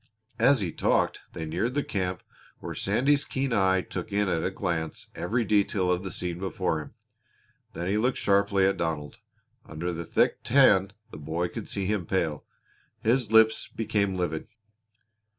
As he talked they neared the camp where Sandy's keen eye took in at a glance every detail of the scene before him. Then he looked sharply at Donald. Under the thick tan the boy could see him pale. His lips became livid.